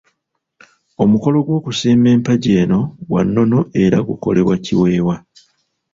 Omukolo gw'okusimba empagi eno gwa nnono era gukolebwa Kiwewa.